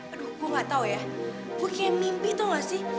aduh gue gak tau ya gue punya mimpi tuh gak sih